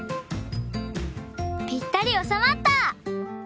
ぴったりおさまった！